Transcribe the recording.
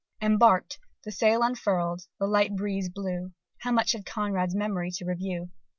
Embark'd, the sail unfurl'd, the light breeze blew How much had Conrad's memory to review!...